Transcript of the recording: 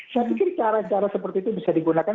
saya pikir cara cara seperti itu bisa digunakan